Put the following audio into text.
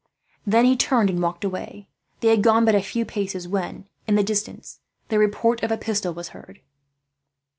Then he turned and walked away. They had gone but a few paces when, in the distance, the report of a pistol was heard.